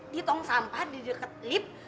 di tong sampah di deket lift